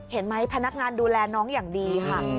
เห็นไหมพนักงานดูแลน้องอย่างดีค่ะ